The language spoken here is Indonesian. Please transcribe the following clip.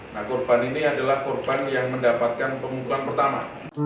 nah korban ini adalah korban yang mendapatkan pengumuman pertama